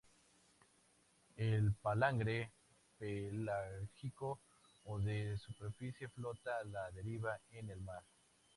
El palangre pelágico, o de superficie, flota a la deriva en el mar.